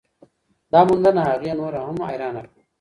دا موندنه هغې نوره هم حیرانه کړه.